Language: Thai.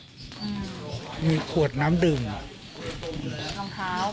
ส่วนนางสุธินนะครับบอกว่าไม่เคยคาดคิดมาก่อนว่าบ้านเนี่ยจะมาถูกภารกิจนะครับ